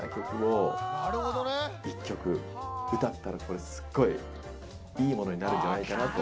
これすごいいいものになるんじゃないかなと。